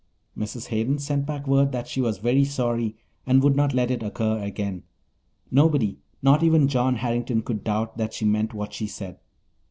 Mrs. Hayden sent back word that she was very sorry and would not let it occur again. Nobody, not even John Harrington, could doubt that she meant what she said.